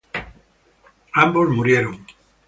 Ambos murieron.